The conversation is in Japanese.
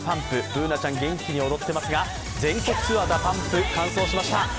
Ｂｏｏｎａちゃん、元気に踊っていますが、全国ツアー、ＤＡＰＵＭＰ、完走しました。